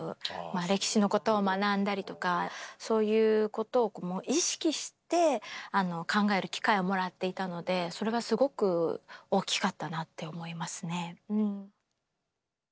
歴史のことを学んだりとかそういうことを意識して考える機会をもらっていたのでそれがすごく大きかったなって思いますね。